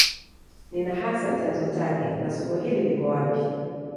Nini hasa chanzo chake na soko hili liko wapi